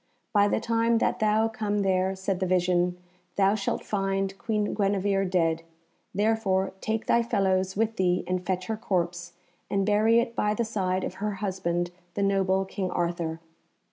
"By the time that thou come there," said the vision, "thou shalt find Queen Guenevere dead; therefore take thy fellows with thee and fetch her corpse, and bury it by the side of her husband, the noble King Arthur."